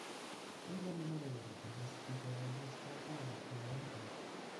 Un gran número de refranes y proverbios tratan de la actividad de comer.